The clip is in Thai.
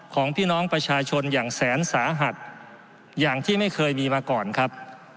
ของพี่น้องประชาชนอย่างแสนสาหัสอย่างที่ไม่เคยมีมาก่อนครับ